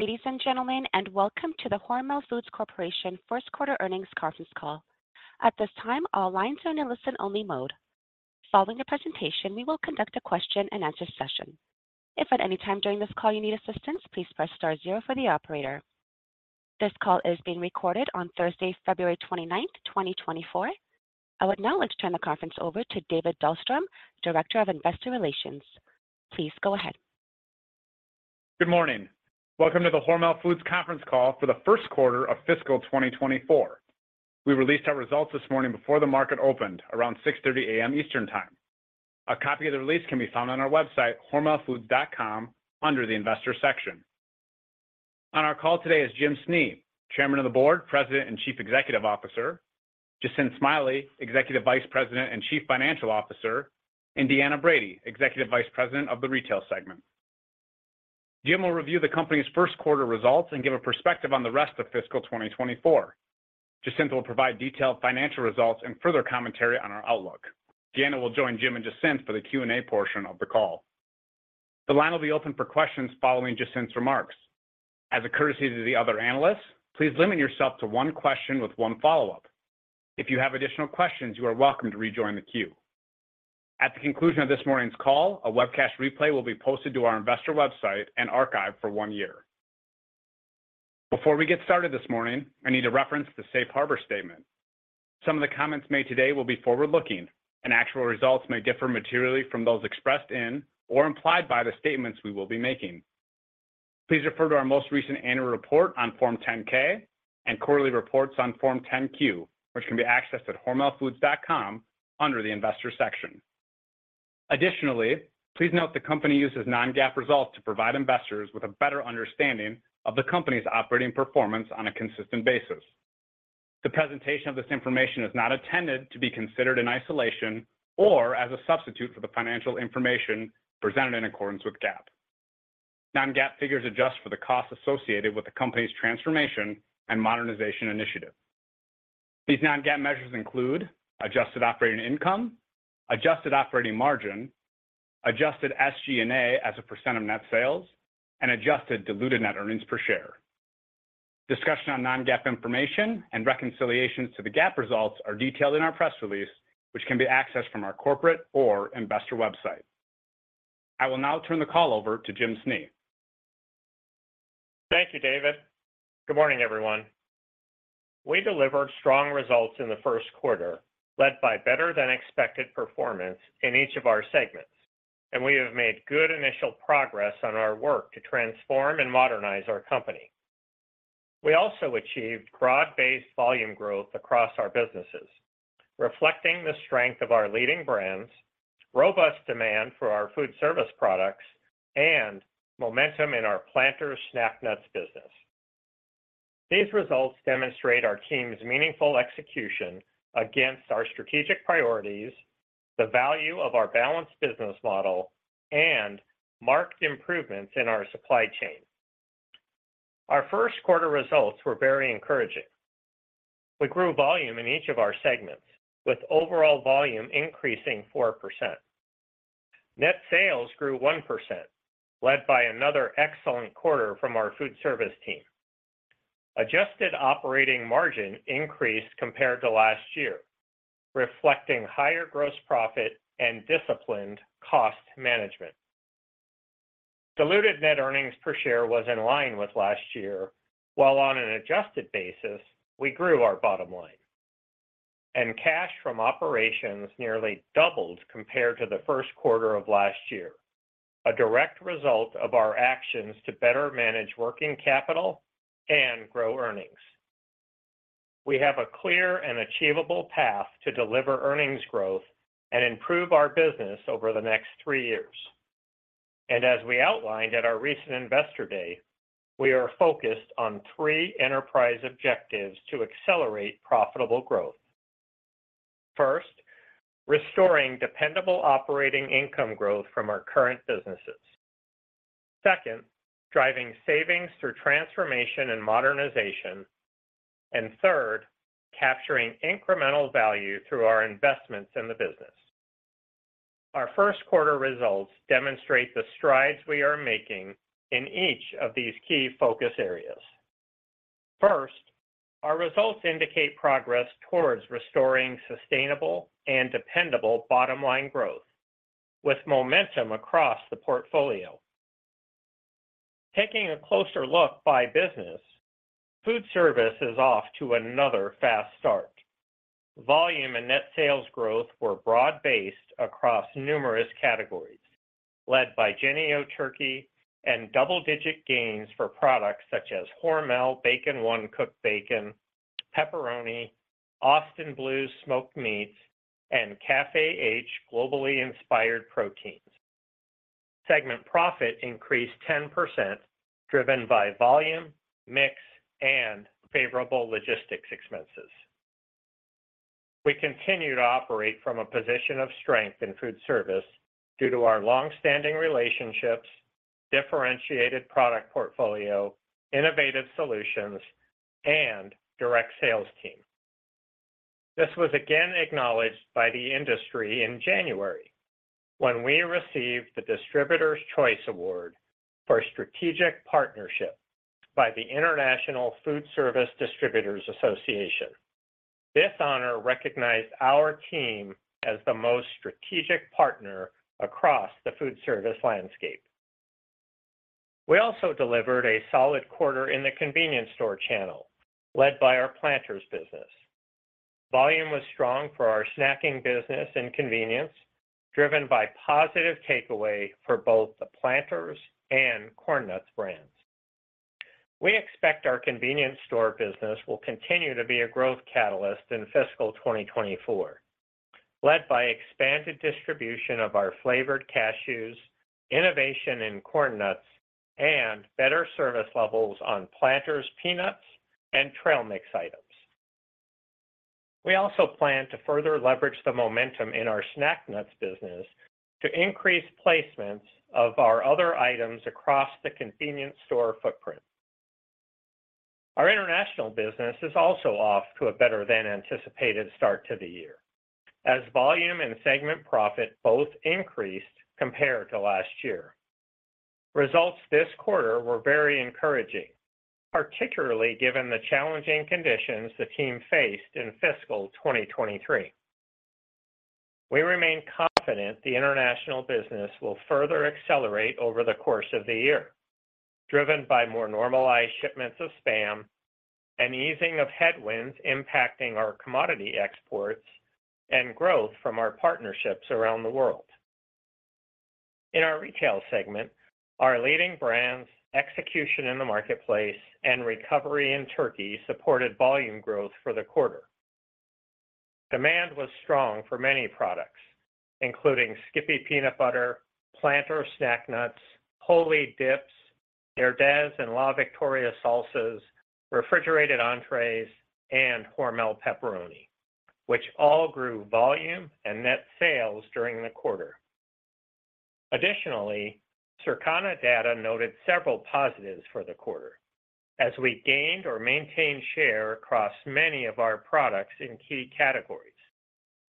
Ladies and gentlemen, and welcome to the Hormel Foods Corporation first-quarter earnings conference call. At this time, all lines are in a listen-only mode. Following the presentation, we will conduct a question-and-answer session. If at any time during this call you need assistance, please press star zero for the operator. This call is being recorded on Thursday, February 29th, 2024. I would now like to turn the conference over to David Dahlstrom, Director of Investor Relations. Please go ahead. Good morning. Welcome to the Hormel Foods conference call for the first quarter of fiscal 2024. We released our results this morning before the market opened, around 6:30 A.M. Eastern Time. A copy of the release can be found on our website, hormelfoods.com, under the Investor section. On our call today is Jim Snee, Chairman of the Board, President and Chief Executive Officer, Jacinth Smiley, Executive Vice President and Chief Financial Officer, and Deanna Brady, Executive Vice President of the Retail Segment. Jim will review the company's first quarter results and give a perspective on the rest of fiscal 2024. Jacinth will provide detailed financial results and further commentary on our outlook. Deanna will join Jim and Jacinth for the Q&A portion of the call. The line will be open for questions following Jacinth's remarks. As a courtesy to the other analysts, please limit yourself to one question with one follow-up. If you have additional questions, you are welcome to rejoin the queue. At the conclusion of this morning's call, a webcast replay will be posted to our investor website and archive for one year. Before we get started this morning, I need to reference the Safe Harbor Statement. Some of the comments made today will be forward-looking, and actual results may differ materially from those expressed in or implied by the statements we will be making. Please refer to our most recent annual report on Form 10-K and quarterly reports on Form 10-Q, which can be accessed at hormelfoods.com under the Investor section. Additionally, please note the company uses Non-GAAP results to provide investors with a better understanding of the company's operating performance on a consistent basis. The presentation of this information is not intended to be considered in isolation or as a substitute for the financial information presented in accordance with GAAP. Non-GAAP figures adjust for the costs associated with the company's transformation and modernization initiative. These non-GAAP measures include adjusted operating income, adjusted operating margin, adjusted SG&A as a percent of net sales, and adjusted diluted net earnings per share. Discussion on non-GAAP information and reconciliations to the GAAP results are detailed in our press release, which can be accessed from our corporate or investor website. I will now turn the call over to Jim Snee. Thank you, David. Good morning, everyone. We delivered strong results in the first quarter, led by better-than-expected performance in each of our segments, and we have made good initial progress on our work to transform and modernize our company. We also achieved broad-based volume growth across our businesses, reflecting the strength of our leading brands, robust demand for our food service products, and momentum in our Planters snack nuts business. These results demonstrate our team's meaningful execution against our strategic priorities, the value of our balanced business model, and marked improvements in our supply chain. Our first quarter results were very encouraging. We grew volume in each of our segments, with overall volume increasing 4%. Net sales grew 1%, led by another excellent quarter from our food service team. Adjusted operating margin increased compared to last year, reflecting higher gross profit and disciplined cost management. Diluted net earnings per share was in line with last year, while on an adjusted basis, we grew our bottom line. Cash from operations nearly doubled compared to the first quarter of last year, a direct result of our actions to better manage working capital and grow earnings. We have a clear and achievable path to deliver earnings growth and improve our business over the next three years. As we outlined at our recent Investor Day, we are focused on three enterprise objectives to accelerate profitable growth. First, restoring dependable operating income growth from our current businesses. Second, driving savings through transformation and modernization. Third, capturing incremental value through our investments in the business. Our first quarter results demonstrate the strides we are making in each of these key focus areas. First, our results indicate progress towards restoring sustainable and dependable bottom line growth, with momentum across the portfolio. Taking a closer look by business, food service is off to another fast start. Volume and net sales growth were broad-based across numerous categories, led by Jennie-O Turkey and double-digit gains for products such as Hormel Bacon 1 Cooked Bacon, Pepperoni, Austin Blues Smoked Meats, and Café H Globally Inspired Proteins. Segment profit increased 10%, driven by volume, mix, and favorable logistics expenses. We continue to operate from a position of strength in food service due to our longstanding relationships, differentiated product portfolio, innovative solutions, and direct sales team. This was again acknowledged by the industry in January, when we received the Distributor's Choice Award for Strategic Partnership by the International Foodservice Distributors Association. This honor recognized our team as the most strategic partner across the food service landscape. We also delivered a solid quarter in the convenience store channel, led by our Planters business. Volume was strong for our snacking business and convenience, driven by positive takeaway for both the Planters and Corn Nuts brands. We expect our convenience store business will continue to be a growth catalyst in fiscal 2024, led by expanded distribution of our flavored cashews, innovation in Corn Nuts, and better service levels on Planters peanuts and trail mix items. We also plan to further leverage the momentum in our snack nuts business to increase placements of our other items across the convenience store footprint. Our international business is also off to a better-than-anticipated start to the year, as volume and segment profit both increased compared to last year. Results this quarter were very encouraging, particularly given the challenging conditions the team faced in fiscal 2023. We remain confident the international business will further accelerate over the course of the year, driven by more normalized shipments of SPAM and easing of headwinds impacting our commodity exports and growth from our partnerships around the world. In our retail segment, our leading brands, execution in the marketplace, and recovery in turkey supported volume growth for the quarter. Demand was strong for many products, including Skippy Peanut Butter, Planters snack nuts, Wholly Dips, Herdez and La Victoria salsas, refrigerated entrées, and Hormel Pepperoni, which all grew volume and net sales during the quarter. Additionally, Circana data noted several positives for the quarter, as we gained or maintained share across many of our products in key categories,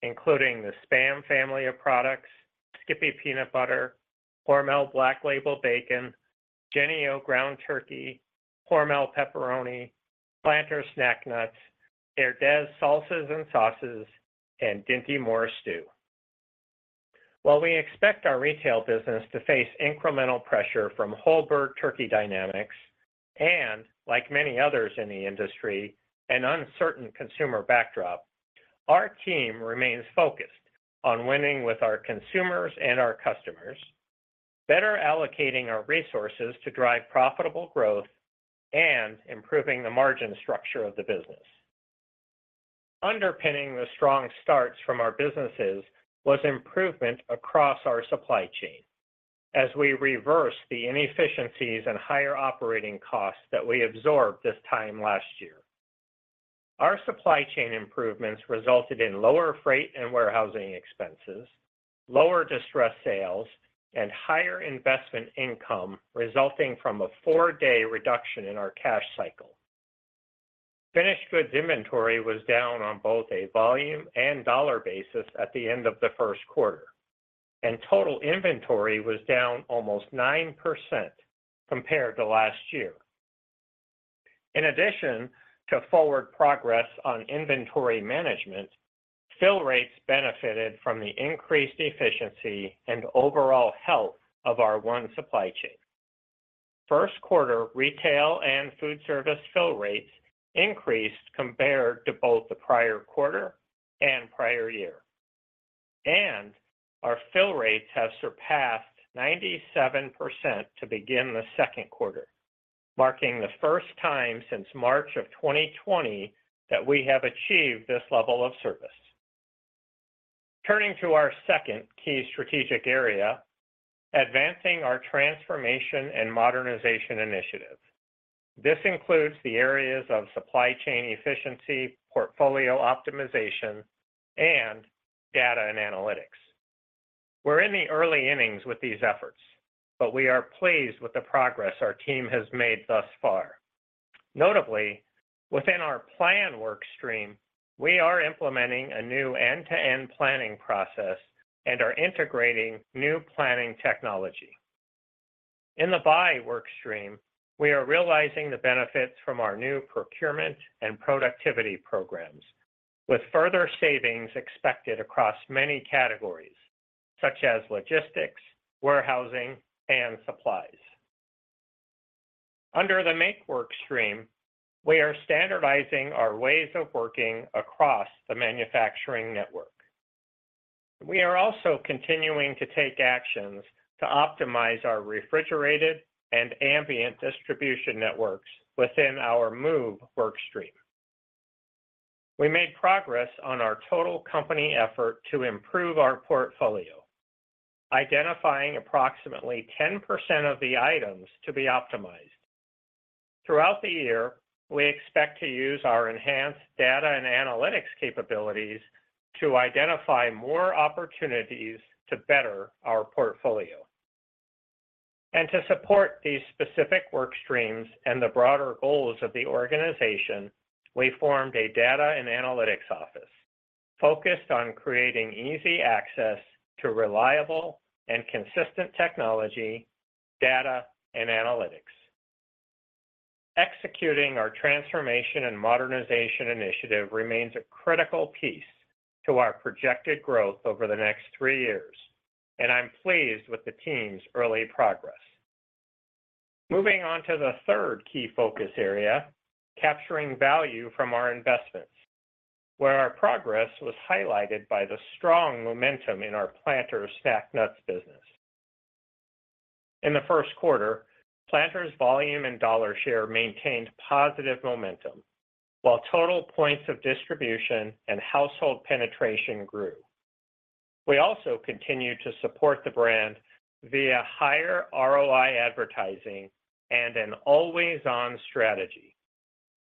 including the SPAM family of products, Skippy Peanut Butter, Hormel Black Label Bacon, Jennie-O Ground Turkey, Hormel Pepperoni, Planters snack nuts, Herdez salsas and sauces and Dinty Moore Stew. While we expect our retail business to face incremental pressure from HPAI turkey dynamics and, like many others in the industry, an uncertain consumer backdrop, our team remains focused on winning with our consumers and our customers, better allocating our resources to drive profitable growth, and improving the margin structure of the business. Underpinning the strong starts from our businesses was improvement across our supply chain, as we reversed the inefficiencies and higher operating costs that we absorbed this time last year. Our supply chain improvements resulted in lower freight and warehousing expenses, lower distress sales, and higher investment income resulting from a four-day reduction in our cash cycle. Finished goods inventory was down on both a volume and dollar basis at the end of the first quarter, and total inventory was down almost 9% compared to last year. In addition to forward progress on inventory management, fill rates benefited from the increased efficiency and overall health of our one supply chain. First quarter retail and food service fill rates increased compared to both the prior quarter and prior year. Our fill rates have surpassed 97% to begin the second quarter, marking the first time since March of 2020 that we have achieved this level of service. Turning to our second key strategic area, advancing our transformation and modernization initiative. This includes the areas of supply chain efficiency, portfolio optimization, and data and analytics. We're in the early innings with these efforts, but we are pleased with the progress our team has made thus far. Notably, within our plan workstream, we are implementing a new end-to-end planning process and are integrating new planning technology. In the buy workstream, we are realizing the benefits from our new procurement and productivity programs, with further savings expected across many categories, such as logistics, warehousing, and supplies. Under the make workstream, we are standardizing our ways of working across the manufacturing network. We are also continuing to take actions to optimize our refrigerated and ambient distribution networks within our move workstream. We made progress on our total company effort to improve our portfolio, identifying approximately 10% of the items to be optimized. Throughout the year, we expect to use our enhanced data and analytics capabilities to identify more opportunities to better our portfolio. To support these specific workstreams and the broader goals of the organization, we formed a data and analytics office focused on creating easy access to reliable and consistent technology, data, and analytics. Executing our transformation and modernization initiative remains a critical piece to our projected growth over the next three years, and I'm pleased with the team's early progress. Moving on to the third key focus area, capturing value from our investments, where our progress was highlighted by the strong momentum in our Planters snack nuts business. In the first quarter, Planters volume and dollar share maintained positive momentum, while total points of distribution and household penetration grew. We also continue to support the brand via higher ROI advertising and an always-on strategy,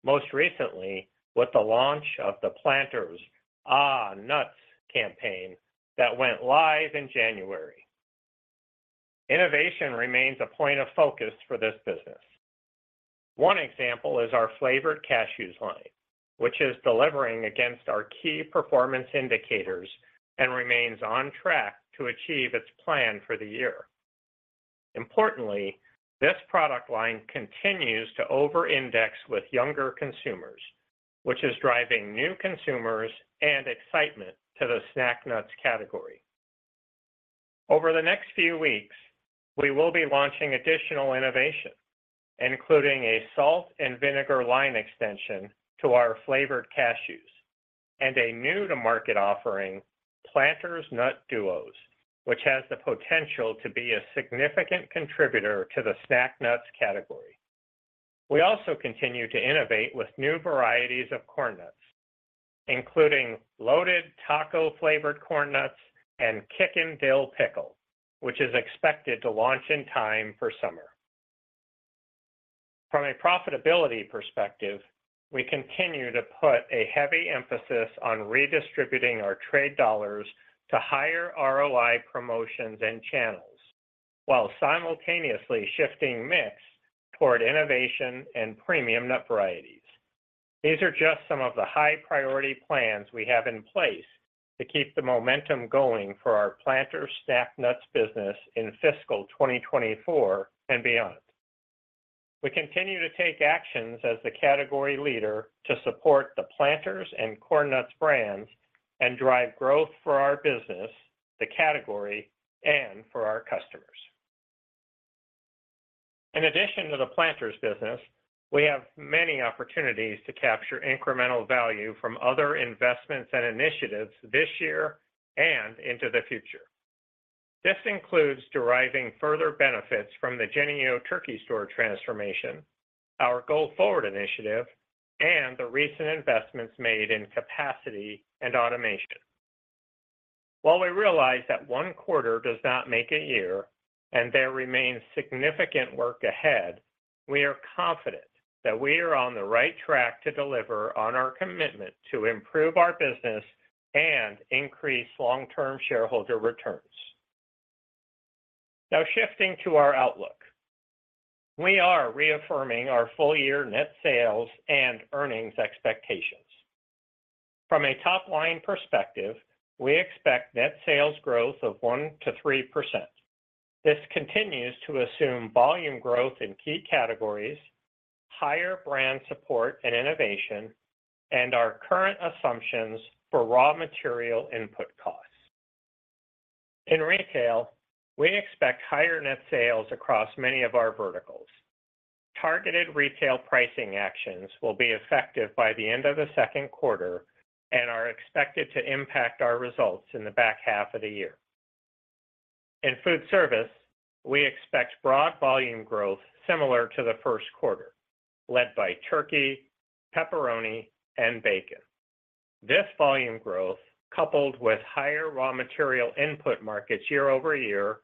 most recently with the launch of the Planters AHH Nuts campaign that went live in January. Innovation remains a point of focus for this business. One example is our flavored cashews line, which is delivering against our key performance indicators and remains on track to achieve its plan for the year. Importantly, this product line continues to over-index with younger consumers, which is driving new consumers and excitement to the snack nuts category. Over the next few weeks, we will be launching additional innovation, including a salt and vinegar line extension to our flavored cashews and a new-to-market offering, Planters Nut Duos, which has the potential to be a significant contributor to the snack nuts category. We also continue to innovate with new varieties of Corn Nuts, including loaded taco flavored Corn Nuts and Kick N Dill Pickle, which is expected to launch in time for summer. From a profitability perspective, we continue to put a heavy emphasis on redistributing our trade dollars to higher ROI promotions and channels, while simultaneously shifting mix toward innovation and premium nut varieties. These are just some of the high-priority plans we have in place to keep the momentum going for our Planters snack nuts business in fiscal 2024 and beyond. We continue to take actions as the category leader to support the Planters and Corn Nuts brands and drive growth for our business, the category, and for our customers. In addition to the Planters business, we have many opportunities to capture incremental value from other investments and initiatives this year and into the future. This includes deriving further benefits from the Jennie-O Turkey Store transformation, our Go Forward initiative, and the recent investments made in capacity and automation. While we realize that one quarter does not make a year and there remains significant work ahead, we are confident that we are on the right track to deliver on our commitment to improve our business and increase long-term shareholder returns. Now shifting to our outlook. We are reaffirming our full-year net sales and earnings expectations. From a top-line perspective, we expect net sales growth of 1%-3%. This continues to assume volume growth in key categories, higher brand support and innovation, and our current assumptions for raw material input costs. In retail, we expect higher net sales across many of our verticals. Targeted retail pricing actions will be effective by the end of the second quarter and are expected to impact our results in the back half of the year. In food service, we expect broad volume growth similar to the first quarter, led by turkey, pepperoni, and bacon. This volume growth, coupled with higher raw material input markets year-over-year,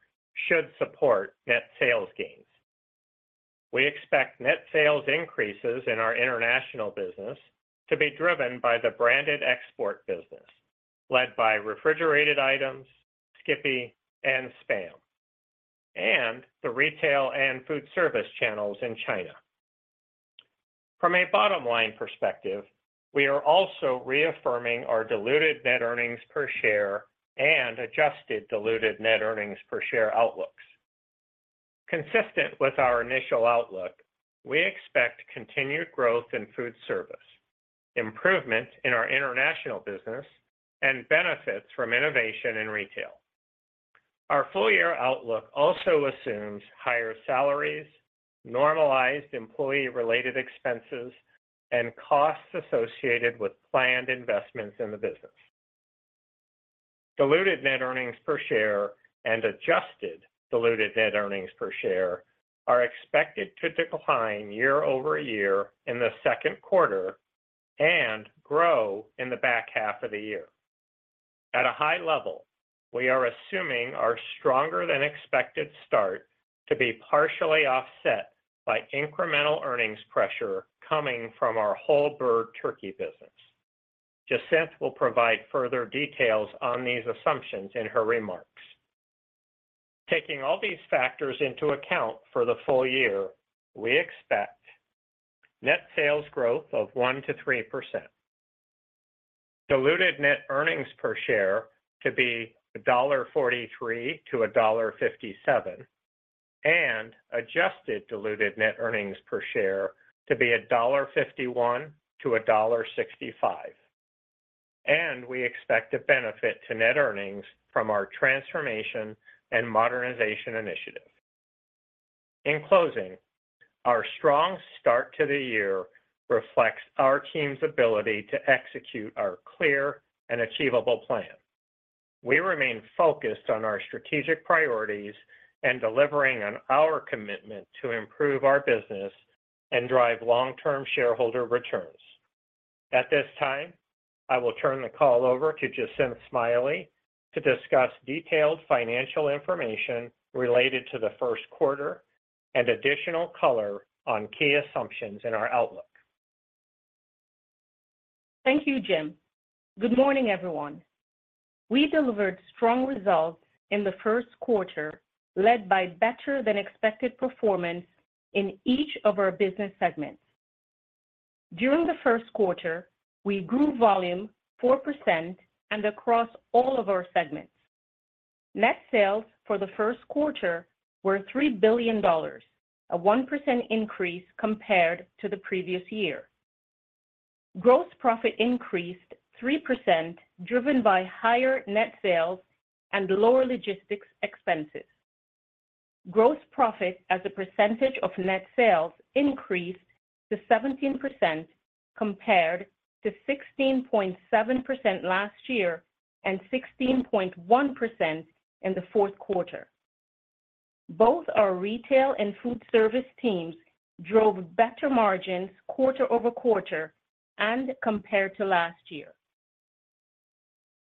should support net sales gains. We expect net sales increases in our international business to be driven by the branded export business, led by refrigerated items, Skippy, and SPAM, and the retail and food service channels in China. From a bottom-line perspective, we are also reaffirming our diluted net earnings per share and adjusted diluted net earnings per share outlooks. Consistent with our initial outlook, we expect continued growth in food service, improvement in our international business, and benefits from innovation in retail. Our full-year outlook also assumes higher salaries, normalized employee-related expenses, and costs associated with planned investments in the business. Diluted net earnings per share and adjusted diluted net earnings per share are expected to decline year over year in the second quarter and grow in the back half of the year. At a high level, we are assuming our stronger-than-expected start to be partially offset by incremental earnings pressure coming from our Hormel Turkey business. Jacinth will provide further details on these assumptions in her remarks. Taking all these factors into account for the full year, we expect net sales growth of 1%-3%, diluted net earnings per share to be $1.43-$1.57, and adjusted diluted net earnings per share to be $1.51-$1.65. And we expect a benefit to net earnings from our transformation and modernization initiative. In closing, our strong start to the year reflects our team's ability to execute our clear and achievable plan. We remain focused on our strategic priorities and delivering on our commitment to improve our business and drive long-term shareholder returns. At this time, I will turn the call over to Jacinth Smiley to discuss detailed financial information related to the first quarter and additional color on key assumptions in our outlook. Thank you, Jim. Good morning, everyone. We delivered strong results in the first quarter, led by better-than-expected performance in each of our business segments. During the first quarter, we grew volume 4% and across all of our segments. Net sales for the first quarter were $3 billion, a 1% increase compared to the previous year. Gross profit increased 3% driven by higher net sales and lower logistics expenses. Gross profit as a percentage of net sales increased to 17% compared to 16.7% last year and 16.1% in the fourth quarter. Both our retail and food service teams drove better margins quarter-over-quarter and compared to last year.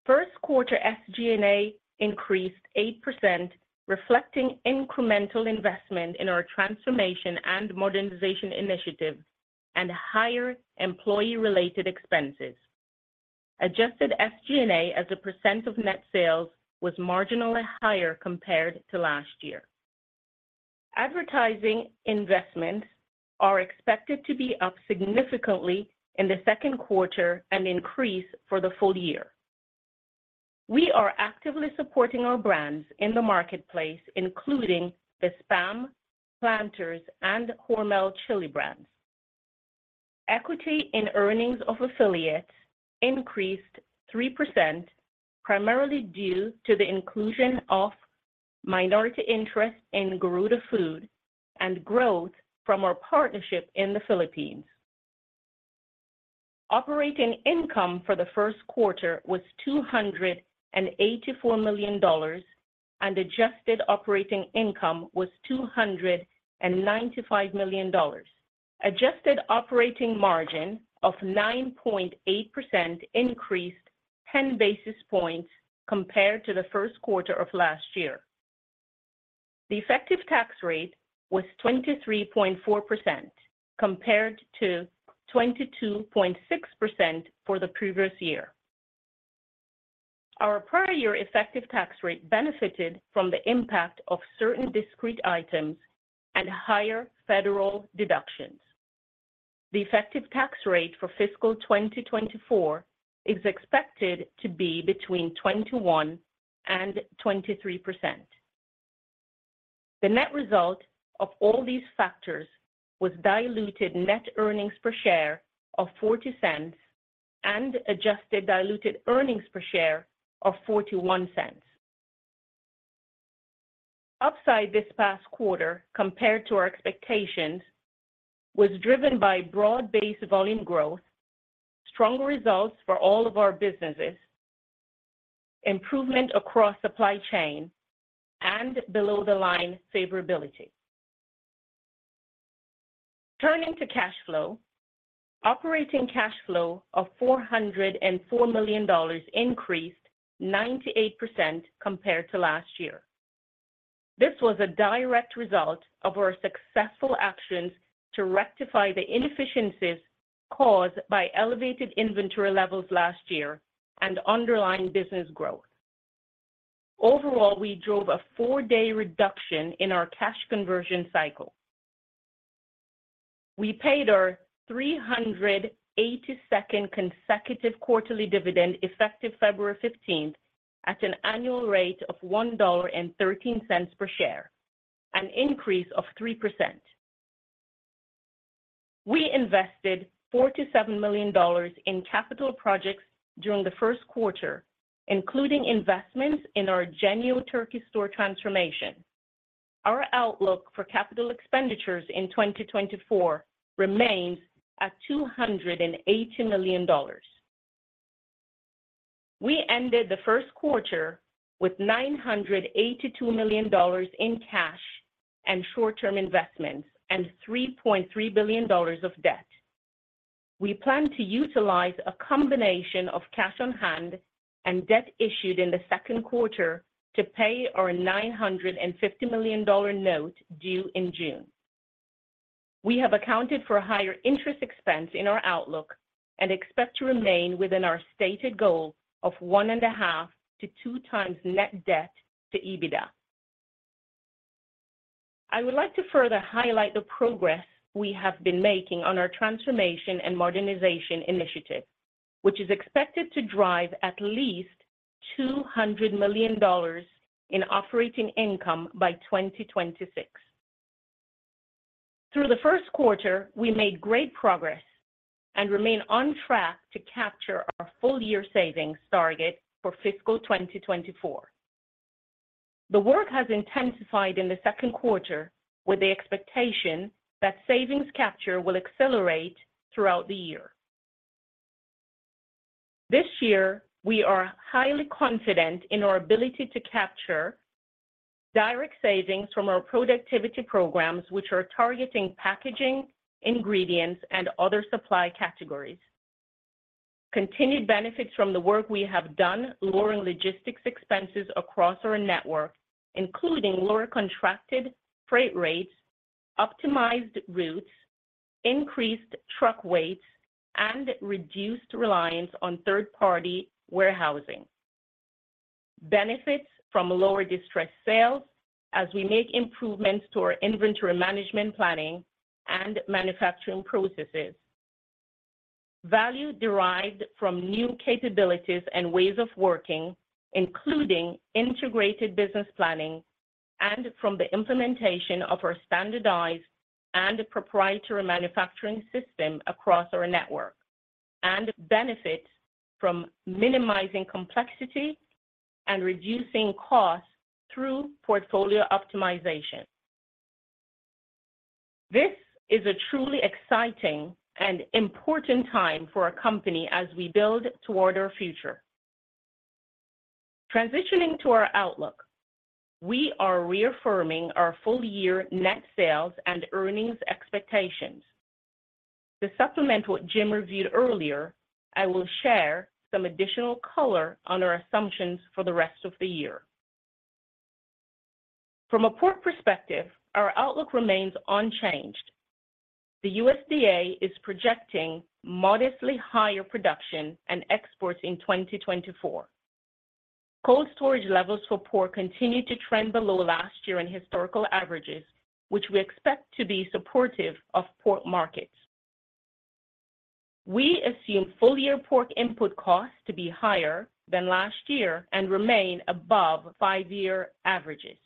First quarter SG&A increased 8%, reflecting incremental investment in our transformation and modernization initiative and higher employee-related expenses. Adjusted SG&A as a percent of net sales was marginally higher compared to last year. Advertising investments are expected to be up significantly in the second quarter and increase for the full year. We are actively supporting our brands in the marketplace, including the SPAM, Planters, and Hormel Chili brands. Equity in earnings of affiliates increased 3%, primarily due to the inclusion of minority interest in Garuda Food and growth from our partnership in the Philippines. Operating income for the first quarter was $284 million, and adjusted operating income was $295 million, adjusted operating margin of 9.8% increased 10 basis points compared to the first quarter of last year. The effective tax rate was 23.4% compared to 22.6% for the previous year. Our prior year effective tax rate benefited from the impact of certain discrete items and higher federal deductions. The effective tax rate for fiscal 2024 is expected to be between 21% and 23%. The net result of all these factors was diluted net earnings per share of $0.40 and adjusted diluted earnings per share of $0.41. Upside this past quarter compared to our expectations was driven by broad-based volume growth, stronger results for all of our businesses, improvement across supply chain, and below-the-line favorability. Turning to cash flow, operating cash flow of $404 million increased 98% compared to last year. This was a direct result of our successful actions to rectify the inefficiencies caused by elevated inventory levels last year and underlying business growth. Overall, we drove a four-day reduction in our cash conversion cycle. We paid our 382nd consecutive quarterly dividend effective February 15th at an annual rate of $1.13 per share, an increase of 3%. We invested $47 million in capital projects during the first quarter, including investments in our Jennie-O Turkey Store transformation. Our outlook for capital expenditures in 2024 remains at $280 million. We ended the first quarter with $982 million in cash and short-term investments and $3.3 billion of debt. We plan to utilize a combination of cash on hand and debt issued in the second quarter to pay our $950 million note due in June. We have accounted for higher interest expense in our outlook and expect to remain within our stated goal of 1.5-2 times net debt to EBITDA. I would like to further highlight the progress we have been making on our transformation and modernization initiative, which is expected to drive at least $200 million in operating income by 2026. Through the first quarter, we made great progress and remain on track to capture our full-year savings target for fiscal 2024. The work has intensified in the second quarter with the expectation that savings capture will accelerate throughout the year. This year, we are highly confident in our ability to capture direct savings from our productivity programs, which are targeting packaging, ingredients, and other supply categories. Continued benefits from the work we have done lowering logistics expenses across our network, including lower contracted freight rates, optimized routes, increased truck weights, and reduced reliance on third-party warehousing. Benefits from lower distress sales as we make improvements to our inventory management planning and manufacturing processes. Value derived from new capabilities and ways of working, including integrated business planning, and from the implementation of our standardized and proprietary manufacturing system across our network, and benefits from minimizing complexity and reducing costs through portfolio optimization. This is a truly exciting and important time for our company as we build toward our future. Transitioning to our outlook. We are reaffirming our full-year net sales and earnings expectations. To supplement what Jim reviewed earlier, I will share some additional color on our assumptions for the rest of the year. From a pork perspective, our outlook remains unchanged. The USDA is projecting modestly higher production and exports in 2024. Cold storage levels for pork continue to trend below last year in historical averages, which we expect to be supportive of pork markets. We assume full-year pork input costs to be higher than last year and remain above five-year averages.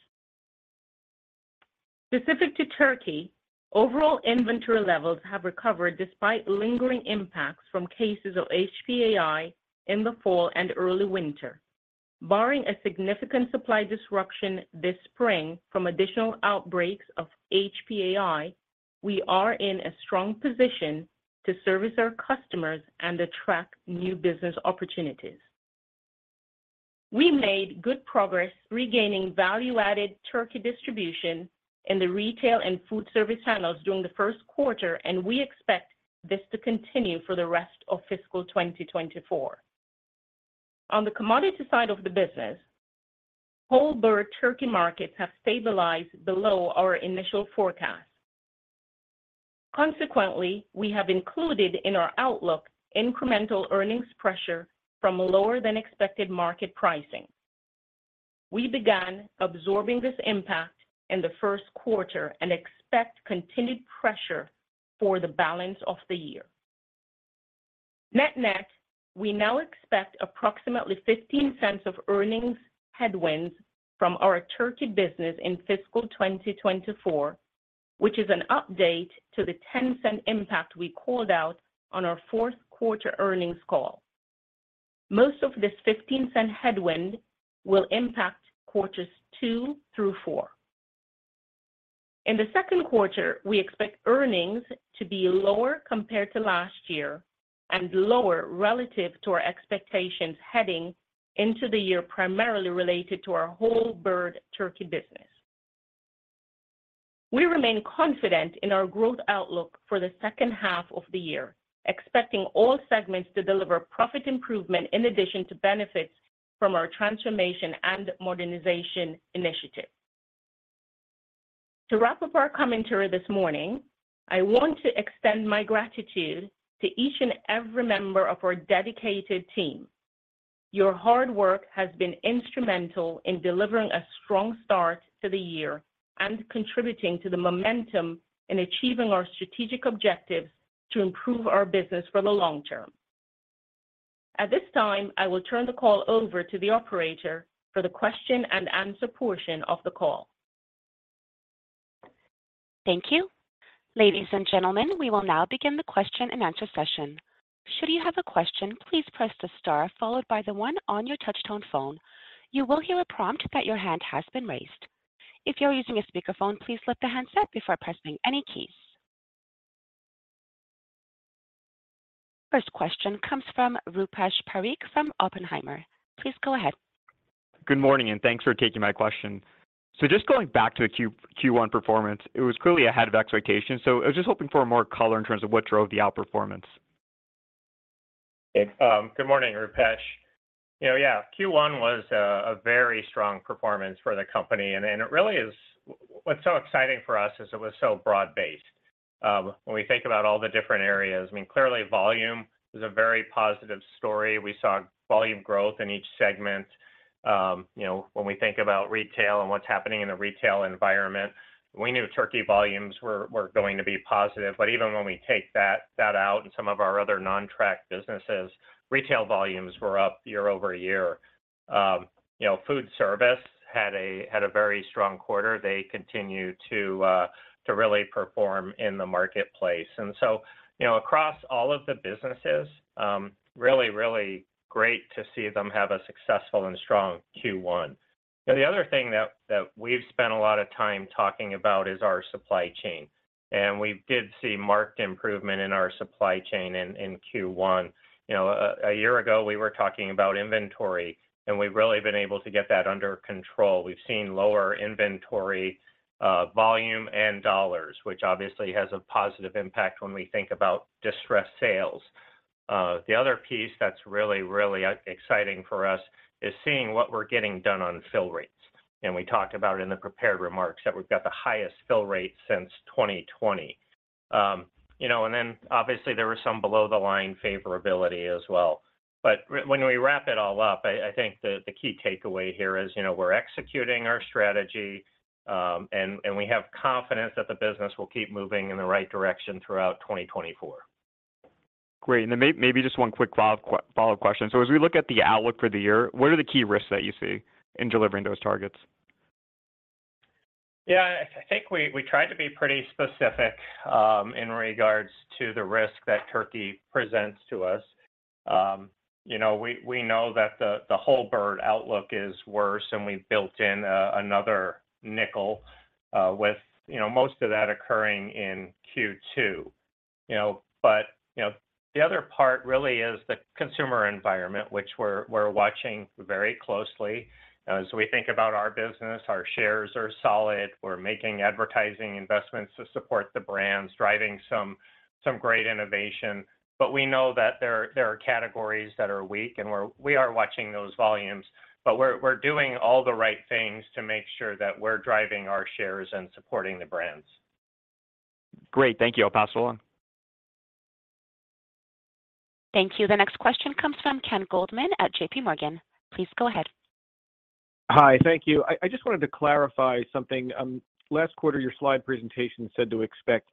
Specific to turkey, overall inventory levels have recovered despite lingering impacts from cases of HPAI in the fall and early winter. Barring a significant supply disruption this spring from additional outbreaks of HPAI, we are in a strong position to service our customers and attract new business opportunities. We made good progress regaining value-added turkey distribution in the retail and food service channels during the first quarter, and we expect this to continue for the rest of fiscal 2024. On the commodity side of the business, whole bird turkey markets have stabilized below our initial forecast. Consequently, we have included in our outlook incremental earnings pressure from lower-than-expected market pricing. We began absorbing this impact in the first quarter and expect continued pressure for the balance of the year. Net-net, we now expect approximately $0.15 of earnings headwinds from our turkey business in fiscal 2024, which is an update to the $0.10 impact we called out on our fourth quarter earnings call. Most of this $0.15 headwind will impact quarters 2 through 4. In the second quarter, we expect earnings to be lower compared to last year and lower relative to our expectations heading into the year primarily related to our Hormel turkey business. We remain confident in our growth outlook for the second half of the year, expecting all segments to deliver profit improvement in addition to benefits from our transformation and modernization initiative. To wrap up our commentary this morning, I want to extend my gratitude to each and every member of our dedicated team. Your hard work has been instrumental in delivering a strong start to the year and contributing to the momentum in achieving our strategic objectives to improve our business for the long term. At this time, I will turn the call over to the operator for the question-and-answer portion of the call. Thank you. Ladies and gentlemen, we will now begin the question-and-answer session. Should you have a question, please press the star followed by the one on your touch-tone phone. You will hear a prompt that your hand has been raised. If you're using a speakerphone, please let the handset before pressing any keys. First question comes from Rupesh Parikh from Oppenheimer. Please go ahead. Good morning, and thanks for taking my question. Just going back to Q1 performance, it was clearly ahead of expectations, so I was just hoping for more color in terms of what drove the outperformance. Good morning, Rupesh. Yeah, Q1 was a very strong performance for the company, and it really is what's so exciting for us, is it was so broad-based. When we think about all the different areas, I mean, clearly volume was a very positive story. We saw volume growth in each segment. When we think about retail and what's happening in the retail environment, we knew turkey volumes were going to be positive. But even when we take that out and some of our other non-track businesses, retail volumes were up year-over-year. Food service had a very strong quarter. They continue to really perform in the marketplace. So across all of the businesses, really, really great to see them have a successful and strong Q1. The other thing that we've spent a lot of time talking about is our supply chain, and we did see marked improvement in our supply chain in Q1. A year ago, we were talking about inventory, and we've really been able to get that under control. We've seen lower inventory volume and dollars, which obviously has a positive impact when we think about distress sales. The other piece that's really, really exciting for us is seeing what we're getting done on fill rates. We talked about it in the prepared remarks that we've got the highest fill rate since 2020. Then obviously, there was some below-the-line favorability as well. But when we wrap it all up, I think the key takeaway here is we're executing our strategy, and we have confidence that the business will keep moving in the right direction throughout 2024. Great. And then maybe just one quick follow-up question. So as we look at the outlook for the year, what are the key risks that you see in delivering those targets? Yeah, I think we tried to be pretty specific in regards to the risk that turkey presents to us. We know that the HPAI outlook is worse, and we've built in another $0.05, with most of that occurring in Q2. But the other part really is the consumer environment, which we're watching very closely. As we think about our business, our shares are solid. We're making advertising investments to support the brands, driving some great innovation. But we know that there are categories that are weak, and we are watching those volumes. But we're doing all the right things to make sure that we're driving our shares and supporting the brands. Great. Thank you. I'll pass it along. Thank you. The next question comes from Ken Goldman at JPMorgan. Please go ahead. Hi. Thank you. I just wanted to clarify something. Last quarter, your slide presentation said to expect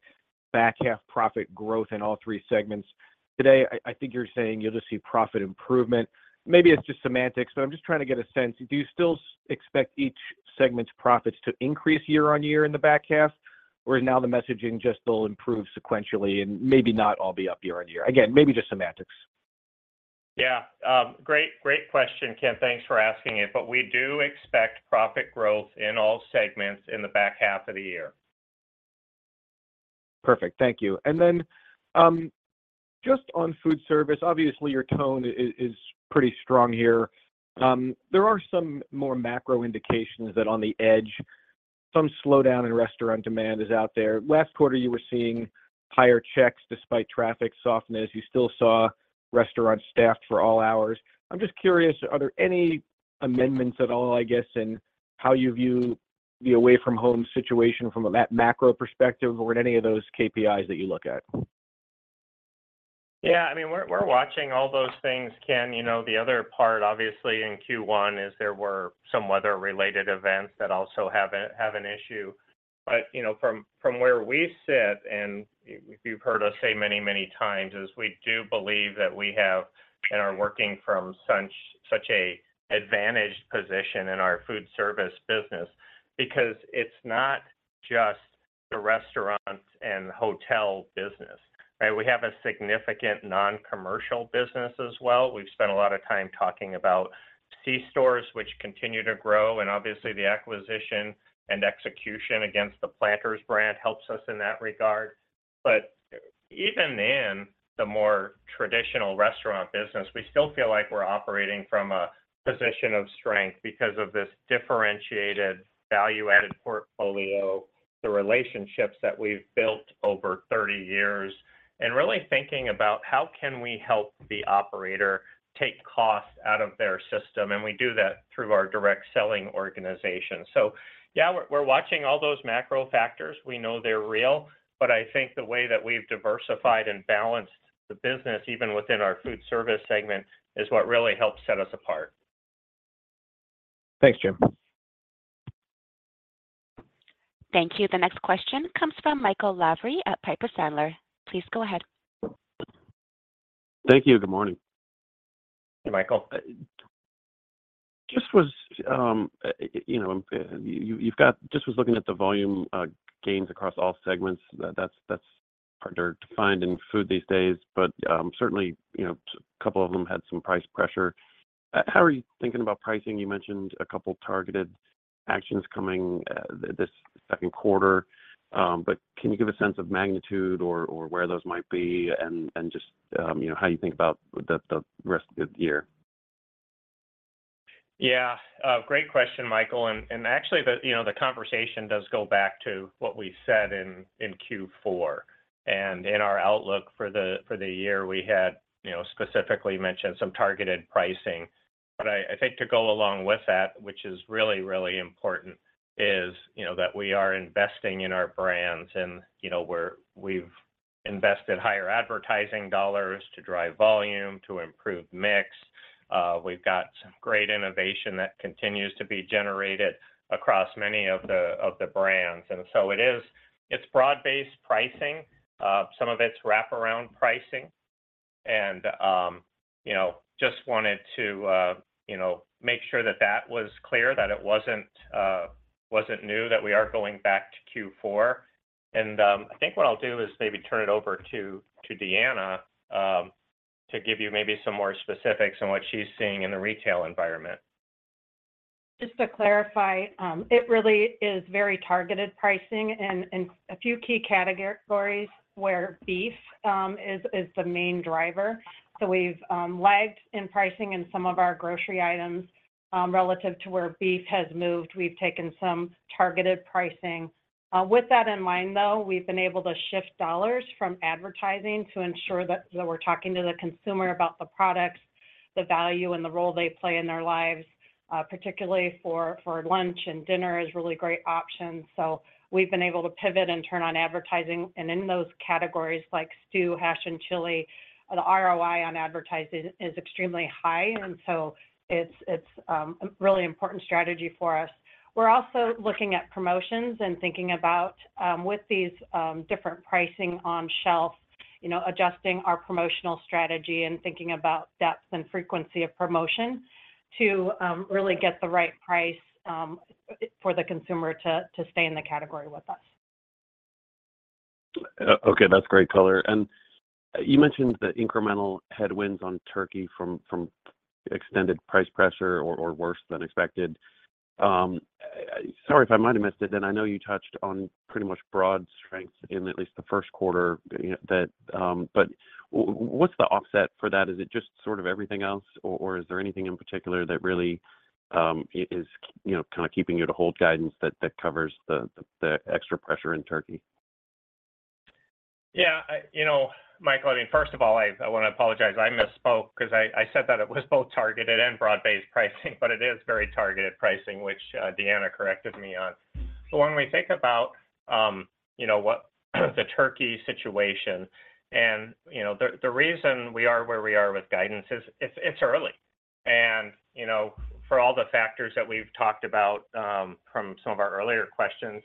back half profit growth in all three segments. Today, I think you're saying you'll just see profit improvement. Maybe it's just semantics, but I'm just trying to get a sense. Do you still expect each segment's profits to increase year-on-year in the back half, or is now the messaging just they'll improve sequentially and maybe not all be up year-on-year? Again, maybe just semantics. Yeah. Great question, Ken. Thanks for asking it. But we do expect profit growth in all segments in the back half of the year. Perfect. Thank you. And then just on food service, obviously, your tone is pretty strong here. There are some more macro indications that on the edge, some slowdown in restaurant demand is out there. Last quarter, you were seeing higher checks despite traffic softness. You still saw restaurants staffed for all hours. I'm just curious, are there any amendments at all, I guess, in how you view the away-from-home situation from that macro perspective or in any of those KPIs that you look at? Yeah. I mean, we're watching all those things, Ken. The other part, obviously, in Q1 is there were some weather-related events that also have an issue. But from where we sit, and you've heard us say many, many times, we do believe that we have and are working from such an advantaged position in our food service business because it's not just the restaurant and hotel business. We have a significant non-commercial business as well. We've spent a lot of time talking about C-stores, which continue to grow. And obviously, the acquisition and execution against the Planters brand helps us in that regard. But even in the more traditional restaurant business, we still feel like we're operating from a position of strength because of this differentiated value-added portfolio, the relationships that we've built over 30 years, and really thinking about how can we help the operator take costs out of their system. And we do that through our direct selling organization. So yeah, we're watching all those macro factors. We know they're real. But I think the way that we've diversified and balanced the business, even within our food service segment, is what really helps set us apart. Thanks, Jim. Thank you. The next question comes from Michael Lavery at Piper Sandler. Please go ahead. Thank you. Good morning. Hey, Michael. Just looking at the volume gains across all segments. That's hard to find in food these days, but certainly, a couple of them had some price pressure. How are you thinking about pricing? You mentioned a couple of targeted actions coming this second quarter. But can you give a sense of magnitude or where those might be and just how you think about the rest of the year? Yeah. Great question, Michael. And actually, the conversation does go back to what we said in Q4. In our outlook for the year, we had specifically mentioned some targeted pricing. I think to go along with that, which is really, really important, is that we are investing in our brands, and we've invested higher advertising dollars to drive volume, to improve mix. We've got some great innovation that continues to be generated across many of the brands. It's broad-based pricing. Some of it's wrap-around pricing. Just wanted to make sure that that was clear, that it wasn't new, that we are going back to Q4. I think what I'll do is maybe turn it over to Deanna to give you maybe some more specifics on what she's seeing in the retail environment. Just to clarify, it really is very targeted pricing. A few key categories where beef is the main driver. So we've lagged in pricing in some of our grocery items relative to where beef has moved. We've taken some targeted pricing. With that in mind, though, we've been able to shift dollars from advertising to ensure that we're talking to the consumer about the products, the value, and the role they play in their lives. Particularly for lunch and dinner is really great options. So we've been able to pivot and turn on advertising. And in those categories like stew, hash, and chili, the ROI on advertising is extremely high. And so it's a really important strategy for us. We're also looking at promotions and thinking about, with these different pricing on shelf, adjusting our promotional strategy and thinking about depth and frequency of promotion to really get the right price for the consumer to stay in the category with us. Okay. That's great color. You mentioned the incremental headwinds on turkey from extended price pressure or worse than expected. Sorry if I might have missed it. I know you touched on pretty much broad strengths in at least the first quarter, but what's the offset for that? Is it just sort of everything else, or is there anything in particular that really is kind of keeping you to hold guidance that covers the extra pressure in turkey? Yeah. Michael, I mean, first of all, I want to apologize. I misspoke because I said that it was both targeted and broad-based pricing, but it is very targeted pricing, which Deanna corrected me on. But when we think about the turkey situation and the reason we are where we are with guidance is, it's early. For all the factors that we've talked about from some of our earlier questions,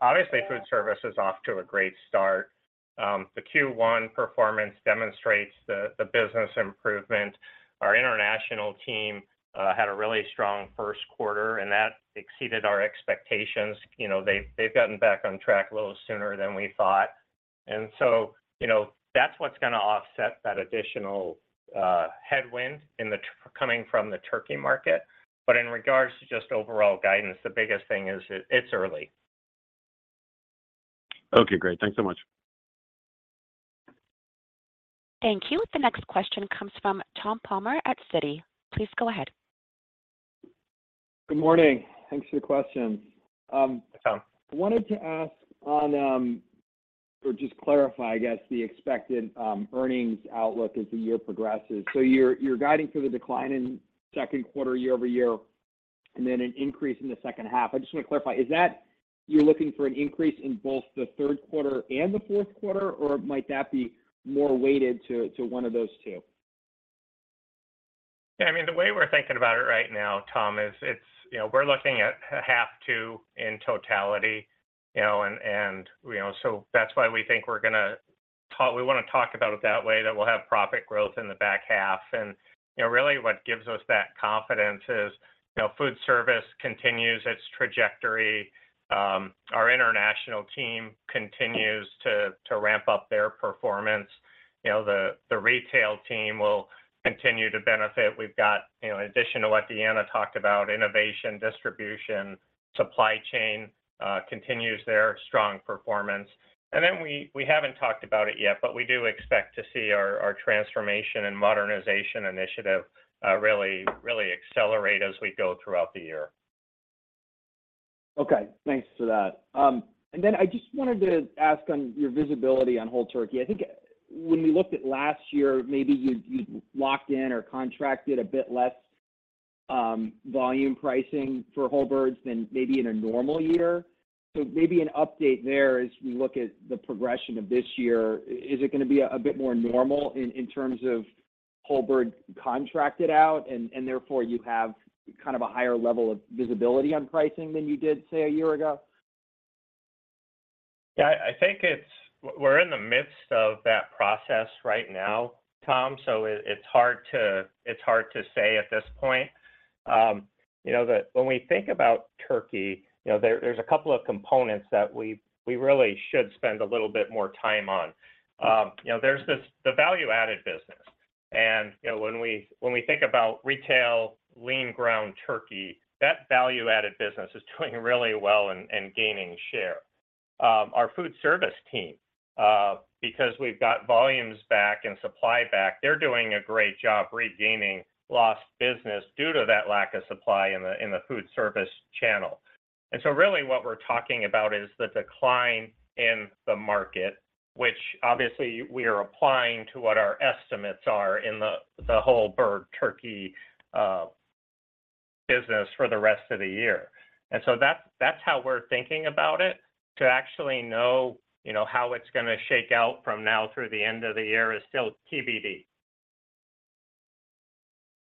obviously, food service is off to a great start. The Q1 performance demonstrates the business improvement. Our international team had a really strong first quarter, and that exceeded our expectations. They've gotten back on track a little sooner than we thought. And so that's what's going to offset that additional headwind coming from the turkey market. But in regards to just overall guidance, the biggest thing is it's early. Okay. Great. Thanks so much. Thank you. The next question comes from Tom Palmer at Citi. Please go ahead. Good morning. Thanks for the question. Hi, Tom. I wanted to ask on or just clarify, I guess, the expected earnings outlook as the year progresses. So you're guiding for the decline in second quarter year-over-year and then an increase in the second half. I just want to clarify, you're looking for an increase in both the third quarter and the fourth quarter, or might that be more weighted to one of those two? Yeah. I mean, the way we're thinking about it right now, Tom, is we're looking at half two in totality. And so that's why we think we're going to want to talk about it that way, that we'll have profit growth in the back half. And really, what gives us that confidence is food service continues its trajectory. Our international team continues to ramp up their performance. The retail team will continue to benefit. We've got, in addition to what Deanna talked about, innovation, distribution, supply chain continues their strong performance. And then we haven't talked about it yet, but we do expect to see our transformation and modernization initiative really accelerate as we go throughout the year. Okay. Thanks for that. And then I just wanted to ask on your visibility on whole turkey. I think when we looked at last year, maybe you'd locked in or contracted a bit less volume pricing for whole birds than maybe in a normal year. So maybe an update there as we look at the progression of this year, is it going to be a bit more normal in terms of whole bird contracted out, and therefore you have kind of a higher level of visibility on pricing than you did, say, a year ago? Yeah. I think we're in the midst of that process right now, Tom, so it's hard to say at this point. When we think about turkey, there's a couple of components that we really should spend a little bit more time on. There's the value-added business. And when we think about retail lean ground turkey, that value-added business is doing really well and gaining share. Our food service team, because we've got volumes back and supply back, they're doing a great job regaining lost business due to that lack of supply in the food service channel. And so really, what we're talking about is the decline in the market, which obviously, we are applying to what our estimates are in the whole bird turkey business for the rest of the year. And so that's how we're thinking about it. To actually know how it's going to shake out from now through the end of the year is still TBD.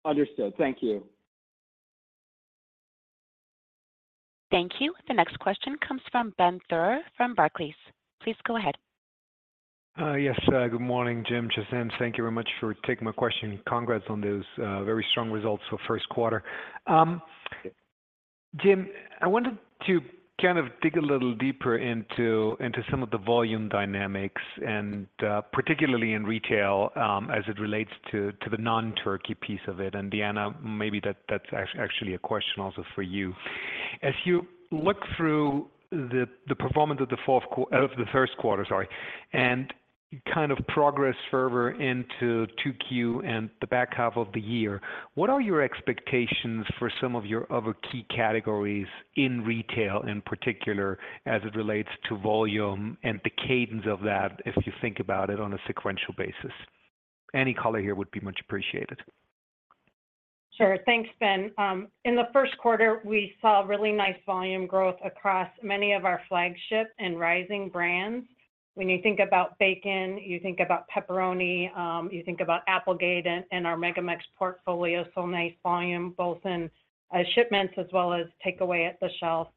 Understood. Thank you. Thank you. The next question comes from Ben Theurer from Barclays. Please go ahead. Yes. Good morning, Jim and Jacinth. Thank you very much for taking my question. Congrats on those very strong results for first quarter. Jim, I wanted to kind of dig a little deeper into some of the volume dynamics, and particularly in retail, as it relates to the non-turkey piece of it. And Deanna, maybe that's actually a question also for you. As you look through the performance of the first quarter, sorry, and kind of progress further into 2Q and the back half of the year, what are your expectations for some of your other key categories in retail, in particular, as it relates to volume and the cadence of that, if you think about it on a sequential basis? Any color here would be much appreciated. Sure. Thanks, Ben. In the first quarter, we saw really nice volume growth across many of our flagship and rising brands. When you think about bacon, you think about pepperoni, you think about Applegate, and our MegaMex portfolio, so nice volume both in shipments as well as takeaway at the shelf.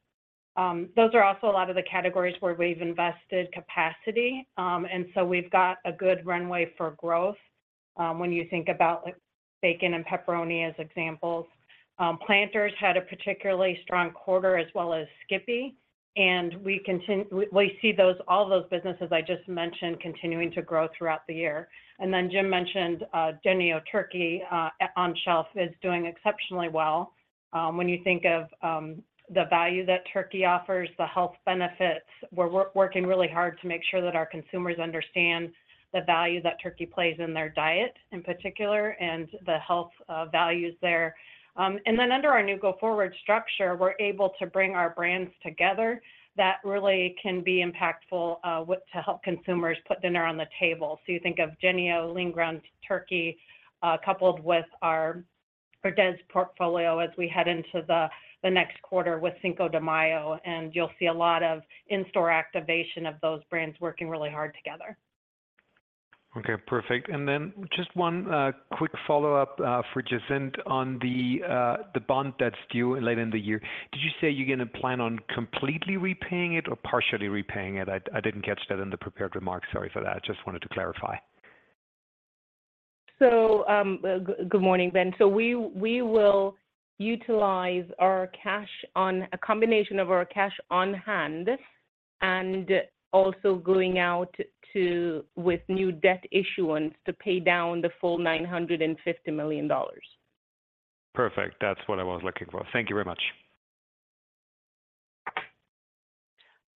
Those are also a lot of the categories where we've invested capacity. And so we've got a good runway for growth when you think about bacon and pepperoni as examples. Planters had a particularly strong quarter as well as Skippy. And we see all those businesses, I just mentioned, continuing to grow throughout the year. And then Jim mentioned Jennie-O Turkey on shelf is doing exceptionally well. When you think of the value that turkey offers, the health benefits, we're working really hard to make sure that our consumers understand the value that turkey plays in their diet, in particular, and the health values there. And then under our new go-forward structure, we're able to bring our brands together that really can be impactful to help consumers put dinner on the table. So you think of Jennie-O lean ground turkey coupled with our Herdez portfolio as we head into the next quarter with Cinco de Mayo. And you'll see a lot of in-store activation of those brands working really hard together. Okay. Perfect. And then just one quick follow-up for Jacinth on the bond that's due late in the year. Did you say you're going to plan on completely repaying it or partially repaying it? I didn't catch that in the prepared remarks. Sorry for that. Just wanted to clarify. So good morning, Ben. So we will utilize our combination of our cash on hand and also going out with new debt issuance to pay down the full $950 million. Perfect. That's what I was looking for. Thank you very much.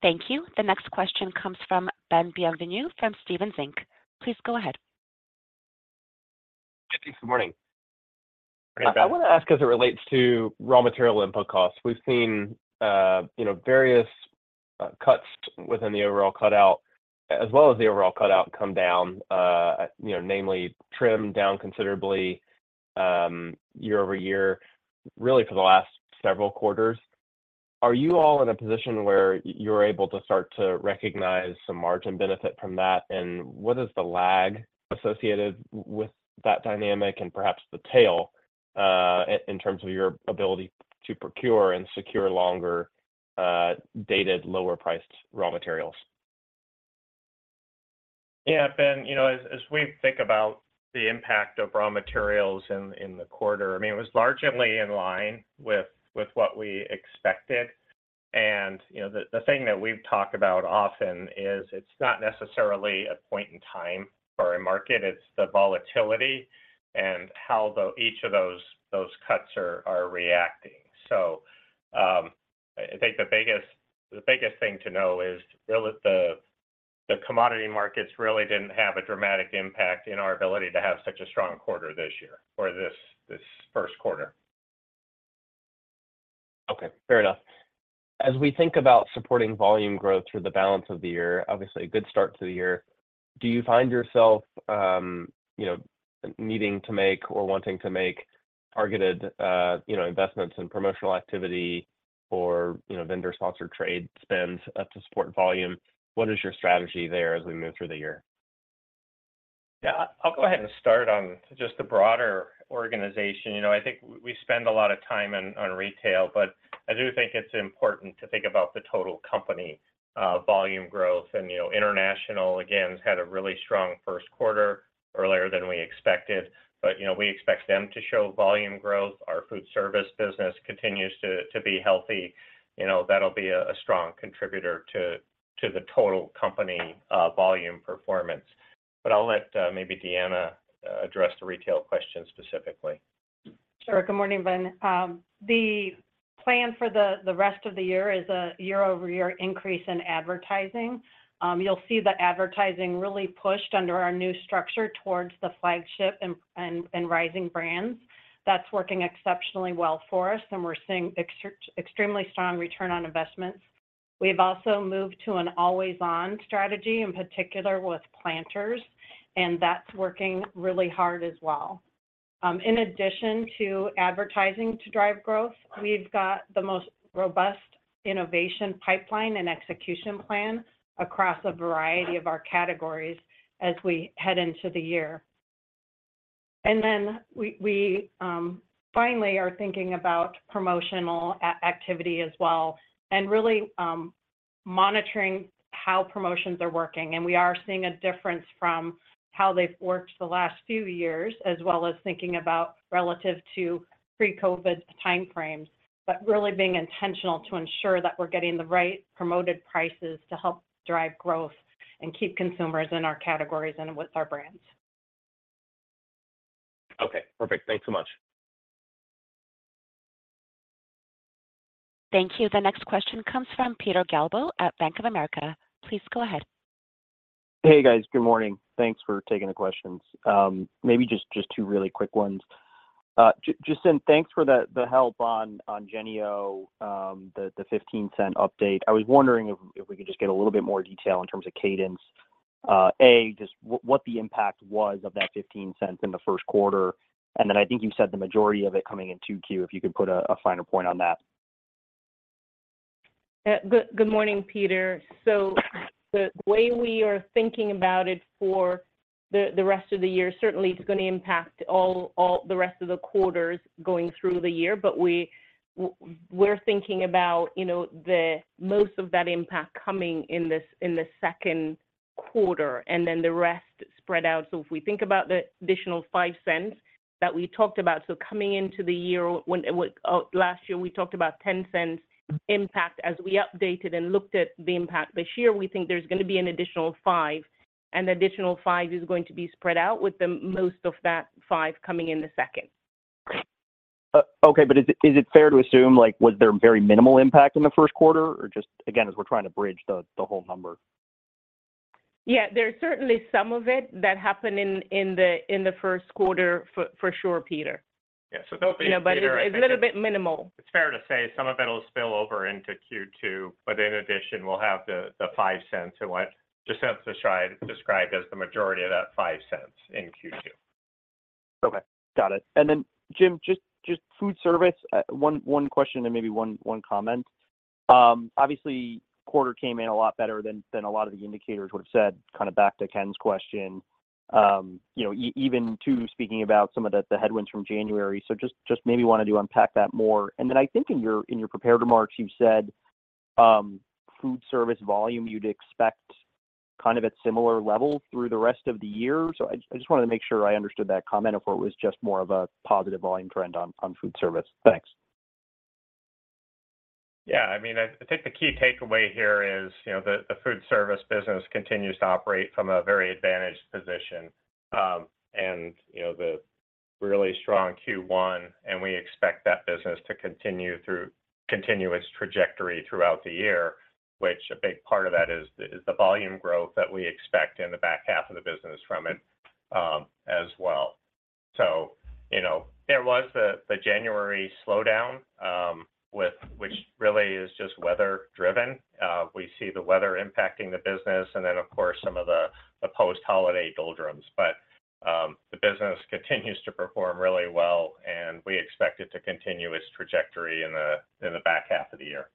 Thank you. The next question comes from Ben Bienvenu from Stephens Inc. Please go ahead. Hey, thanks. Good morning. I want to ask, as it relates to raw material input costs, we've seen various cuts within the overall cutout, as well as the overall cutout, come down, namely trim down considerably year-over-year, really for the last several quarters. Are you all in a position where you're able to start to recognize some margin benefit from that? And what is the lag associated with that dynamic and perhaps the tail in terms of your ability to procure and secure longer-dated, lower-priced raw materials? Yeah, Ben. As we think about the impact of raw materials in the quarter, I mean, it was largely in line with what we expected. The thing that we've talked about often is it's not necessarily a point in time for a market. It's the volatility and how each of those cuts are reacting. I think the biggest thing to know is the commodity markets really didn't have a dramatic impact in our ability to have such a strong quarter this year or this first quarter. Okay. Fair enough. As we think about supporting volume growth through the balance of the year, obviously, a good start to the year, do you find yourself needing to make or wanting to make targeted investments in promotional activity or vendor-sponsored trade spends to support volume? What is your strategy there as we move through the year? Yeah. I'll go ahead and start on just the broader organization. I think we spend a lot of time on retail, but I do think it's important to think about the total company volume growth. International, again, had a really strong first quarter earlier than we expected. We expect them to show volume growth. Our food service business continues to be healthy. That'll be a strong contributor to the total company volume performance. I'll let maybe Deanna address the retail question specifically. Sure. Good morning, Ben. The plan for the rest of the year is a year-over-year increase in advertising. You'll see the advertising really pushed under our new structure towards the flagship and rising brands. That's working exceptionally well for us, and we're seeing extremely strong return on investments. We've also moved to an always-on strategy, in particular with Planters, and that's working really hard as well. In addition to advertising to drive growth, we've got the most robust innovation pipeline and execution plan across a variety of our categories as we head into the year. And then we finally are thinking about promotional activity as well and really monitoring how promotions are working. And we are seeing a difference from how they've worked the last few years as well as thinking about relative to pre-COVID timeframes, but really being intentional to ensure that we're getting the right promoted prices to help drive growth and keep consumers in our categories and with our brands. Okay. Perfect. Thanks so much. Thank you. The next question comes from Peter Galbo at Bank of America. Please go ahead. Hey, guys. Good morning. Thanks for taking the questions. Maybe just two really quick ones. Jacinth, thanks for the help on Jennie-O, the $0.15 update. I was wondering if we could just get a little bit more detail in terms of cadence, A, just what the impact was of that $0.15 in the first quarter. And then I think you said the majority of it coming in 2Q, if you could put a finer point on that. Good morning, Peter. So the way we are thinking about it for the rest of the year, certainly, it's going to impact all the rest of the quarters going through the year. But we're thinking about most of that impact coming in the second quarter and then the rest spread out. So if we think about the additional $0.05 that we talked about, so coming into the year, last year, we talked about $0.10 impact. As we updated and looked at the impact this year, we think there's going to be an additional $0.05. And the additional $0.05 is going to be spread out, with most of that $0.05 coming in the second. Okay. But is it fair to assume was there very minimal impact in the first quarter, or just, again, as we're trying to bridge the whole number? Yeah. There's certainly some of it that happened in the first quarter, for sure, Peter. Yeah. So there'll be a little bit minimal. It's fair to say some of it will spill over into Q2, but in addition, we'll have the $0.05 in what Jacinth described as the majority of that $0.05 in Q2. Okay. Got it. And then, Jim, just food service, one question and maybe one comment. Obviously, quarter came in a lot better than a lot of the indicators would have said, kind of back to Ken's question, even too, speaking about some of the headwinds from January. So just maybe want to unpack that more. Then I think in your prepared remarks, you said food service volume you'd expect kind of at similar levels through the rest of the year. So I just wanted to make sure I understood that comment, if it was just more of a positive volume trend on food service. Thanks. Yeah. I mean, I think the key takeaway here is the food service business continues to operate from a very advantaged position and the really strong Q1. We expect that business to continue its trajectory throughout the year, which a big part of that is the volume growth that we expect in the back half of the business from it as well. So there was the January slowdown, which really is just weather-driven. We see the weather impacting the business and then, of course, some of the post-holiday doldrums. But the business continues to perform really well, and we expect it to continue its trajectory in the back half of the year.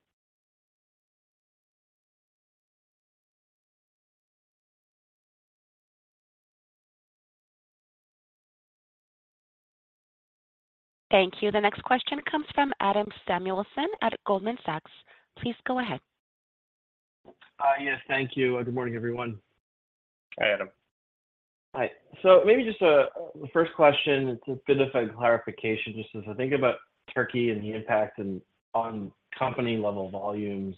Thank you. The next question comes from Adam Samuelson at Goldman Sachs. Please go ahead. Yes. Thank you. Good morning, everyone. Hi, Adam. Hi. So maybe just the first question, it's a bit of a clarification, just as I think about turkey and the impact on company-level volumes.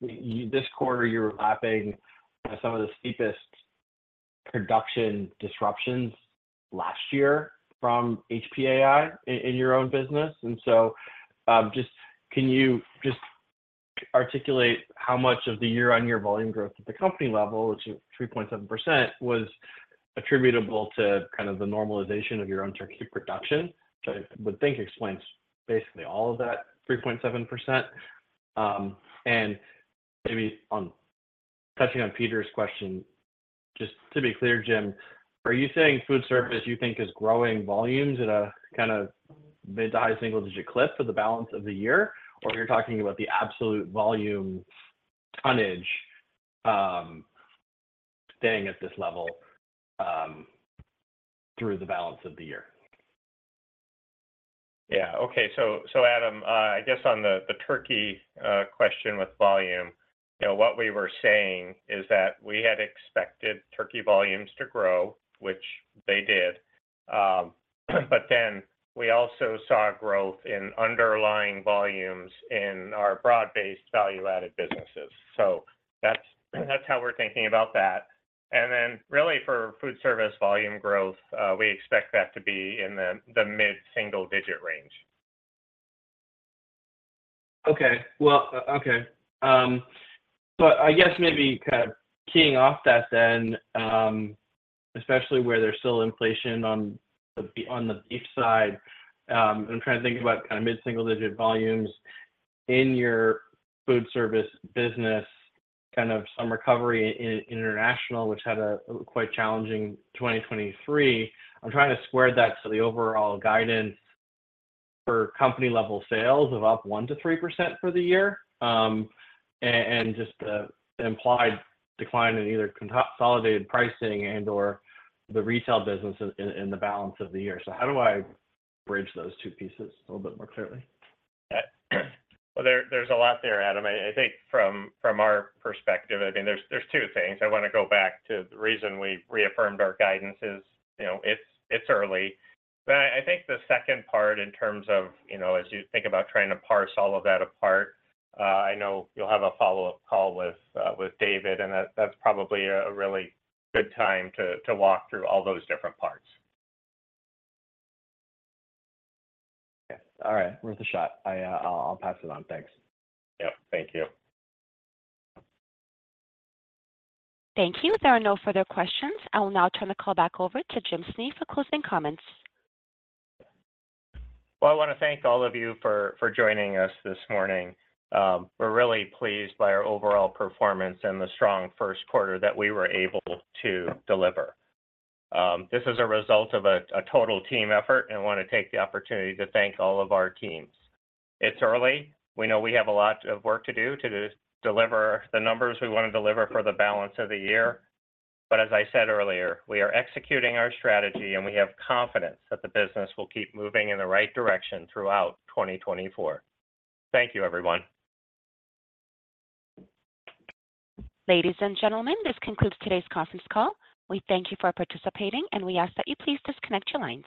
This quarter, you're lapping some of the steepest production disruptions last year from HPAI in your own business. And so just can you just articulate how much of the year-on-year volume growth at the company level, which is 3.7%, was attributable to kind of the normalization of your own turkey production, which I would think explains basically all of that 3.7%? And maybe touching on Peter's question, just to be clear, Jim, are you saying food service you think is growing volumes at a kind of mid- to high-single-digit clip for the balance of the year, or you're talking about the absolute volume tonnage staying at this level through the balance of the year? Yeah. Okay. So, Adam, I guess on the turkey question with volume, what we were saying is that we had expected turkey volumes to grow, which they did. But then we also saw growth in underlying volumes in our broad-based value-added businesses. So that's how we're thinking about that. And then really, for food service volume growth, we expect that to be in the mid-single-digit range. Okay. Well, okay. So I guess maybe kind of keying off that then, especially where there's still inflation on the beef side, and I'm trying to think about kind of mid single-digit volumes in your food service business, kind of some recovery in international, which had a quite challenging 2023. I'm trying to square that to the overall guidance for company-level sales of up 1%-3% for the year and just the implied decline in either consolidated pricing and/or the retail business in the balance of the year. So how do I bridge those two pieces a little bit more clearly? Yeah. Well, there's a lot there, Adam. I think from our perspective, I mean, there's two things. I want to go back to the reason we reaffirmed our guidance is it's early. But I think the second part in terms of as you think about trying to parse all of that apart, I know you'll have a follow-up call with David, and that's probably a really good time to walk through all those different parts. Yes. All right. Worth a shot. I'll pass it on. Thanks. Yep. Thank you. Thank you. There are no further questions. I will now turn the call back over to Jim Snee for closing comments. Well, I want to thank all of you for joining us this morning. We're really pleased by our overall performance and the strong first quarter that we were able to deliver. This is a result of a total team effort, and I want to take the opportunity to thank all of our teams. It's early. We know we have a lot of work to do to deliver the numbers we want to deliver for the balance of the year. But as I said earlier, we are executing our strategy, and we have confidence that the business will keep moving in the right direction throughout 2024. Thank you, everyone. Ladies and gentlemen, this concludes today's conference call. We thank you for participating, and we ask that you please disconnect your lines.